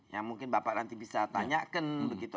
yang mungkin bapak nanti bisa tanyakan begitu